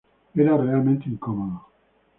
Era realmente incómodo.